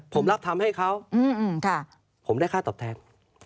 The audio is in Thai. ผมได้ค่าตอบแทน